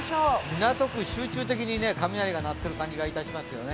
港区、集中的に雷が鳴ってる感じがしますよね。